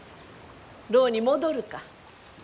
牢に戻るか？